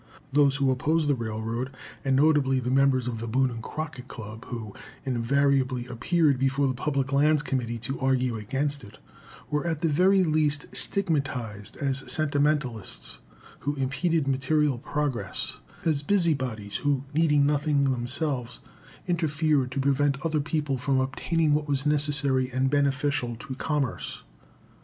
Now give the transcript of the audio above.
Those who opposed the railroad, and notably the members of the Boone and Crockett Club, who invariably appeared before the Public Lands Committee to argue against it, were at the very least stigmatized as "sentimentalists," who impeded material progress as busybodies, who, needing nothing themselves, interfered to prevent other people from obtaining what was necessary and beneficial to commerce.